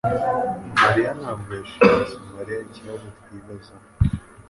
mariya ntabwo yashimuse Mariya ikibazo twibaza